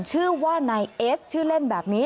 ชื่อว่านายเอสชื่อเล่นแบบนี้